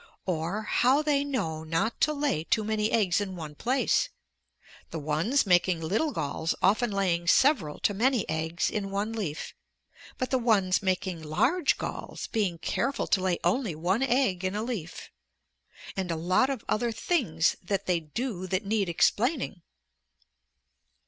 Or how they know not to lay too many eggs in one place, the ones making little galls often laying several to many eggs in one leaf, but the ones making large galls being careful to lay only one egg in a leaf. And a lot of other things that they do that need explaining.